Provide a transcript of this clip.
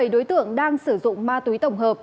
một mươi bảy đối tượng đang sử dụng ma túy tổng hợp